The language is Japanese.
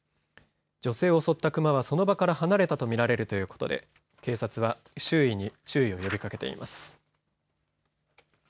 女性を襲ったクマはその場から離れたとみられるということで警察は周囲に注意を呼びかけています。